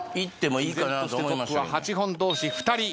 依然としてトップは８本同士２人。